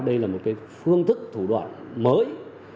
đây là một phương thức thủ đoạn mới